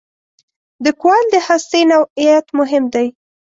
د کوایل د هستې نوعیت مهم دی.